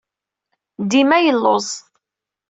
Dima yelluẓ.